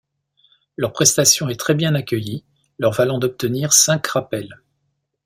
Leur prestation est très bien accueillie leur valant d'obtenir cinq rappels.